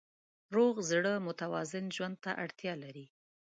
روغ زړه متوازن ژوند ته اړتیا لري.